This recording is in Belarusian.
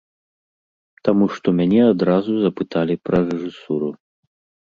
Таму што мяне адразу запыталі пра рэжысуру.